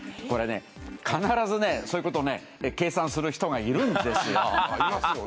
これね必ずそういうことを計算する人がいるんですよ。